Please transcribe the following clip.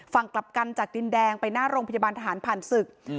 กลับกันจากดินแดงไปหน้าโรงพยาบาลทหารผ่านศึก